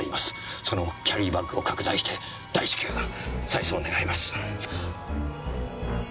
そのキャリーバッグを拡大して大至急再送願います。